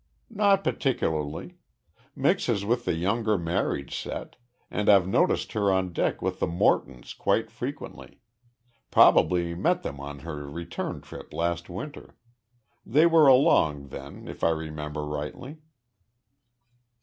"Not particularly. Mixes with the younger married set and I've noticed her on deck with the Mortons quite frequently. Probably met them on her return trip last winter. They were along then, if I remember rightly."